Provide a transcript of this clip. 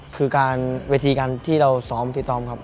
คือการเวทีการที่เราซ้อมฟิตซ้อมครับ